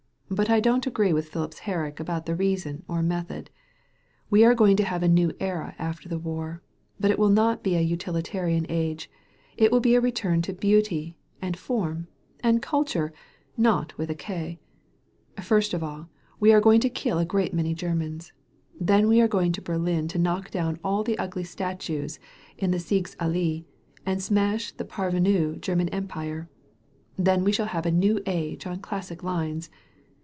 But I don't agree with Phipps Herrick about the reason or method. We are going to have a new era after the war. But it will not be a utilitarian age. It will be a return to beauty and form and culture — ^not with a *k.' First of aQ, we are going to kill a great many Ger mans. Then we are going to Berlin to knock down all the ugly statues in the Sieges AUee and smash the parvenu German Empire. Then we shall have a new age on classic lines.